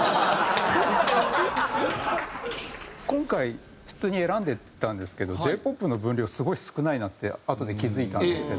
今回普通に選んでいったんですけどＪ−ＰＯＰの分量すごい少ないなってあとで気付いたんですけど。